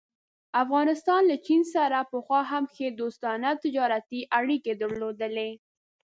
افغانستان له چین سره پخوا هم ښې دوستانه تجارتي اړيکې درلودلې.